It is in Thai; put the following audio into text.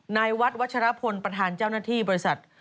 นายวัดวัชรพลประธานเจ้าหน้าที่บริษัท